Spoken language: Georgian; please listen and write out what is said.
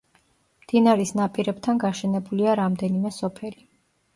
მდინარის ნაპირებთან გაშენებულია რამდენიმე სოფელი.